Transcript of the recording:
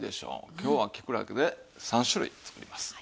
今日はきくらげで３種類作ります。